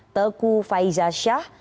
teguh faizah shah